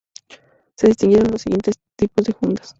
Se distinguen los siguientes tipos de juntas.